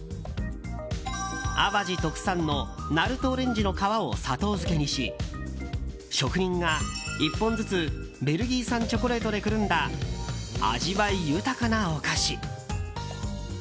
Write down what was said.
淡路特産の鳴門オレンジの皮を砂糖漬けにし、職人が１本ずつベルギー産チョコレートでくるんだ、味わい豊かなお菓子。